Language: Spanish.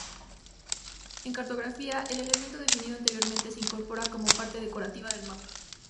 En cartografía el elemento definido anteriormente se incorpora como parte decorativa del mapa.